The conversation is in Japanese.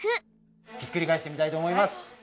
ひっくり返してみたいと思います。